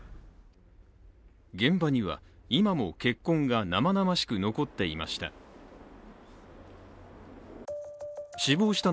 現場には今も血痕が生々しく残っていました。